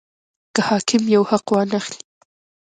که حاکم یو حق وانه خلي.